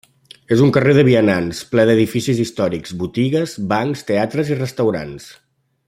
És un carrer de vianants, ple d'edificis històrics, botigues, bancs, teatres i restaurants.